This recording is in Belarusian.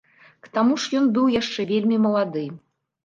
К таму ж ён быў яшчэ вельмі малады.